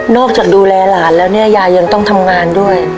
จากดูแลหลานแล้วเนี่ยยายยังต้องทำงานด้วย